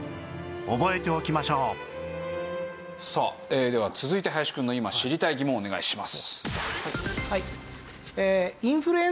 覚えておきましょうでは続いて林くんの今知りたい疑問をお願いします。